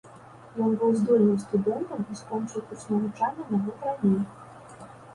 Ён быў здольным студэнтам і скончыў курс навучання на год раней.